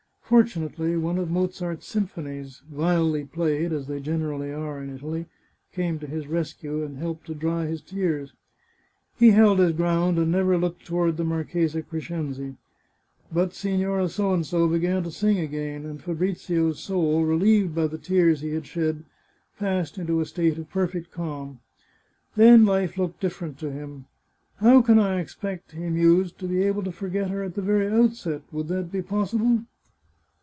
Fortunately, one of Mozart's symphonies — vilely played, as they generally are in Italy — came to his rescue, and helped to dry his tears. He held his ground, and never looked toward the Mar chesa Crescenzi. But Signora P began to sing again, and Fabrizio's soul, relieved by the tears he had shed, passed into a state of perfect calm. Then life looked different to him. " How can I expect," he mused, " to be able to forget her at the very outset ? Would that be possible